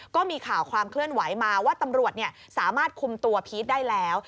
ก็มีข่าวความเคลื่อนไหวมาว่าตำรวจสามารถคุมตัวพีชได้แล้ว